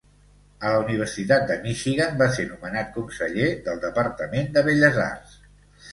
A la Universitat de Michigan va ser nomenat conseller del departament de belles arts.